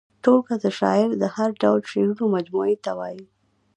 ټولګه د شاعر د هر ډول شعرو مجموعې ته وايي.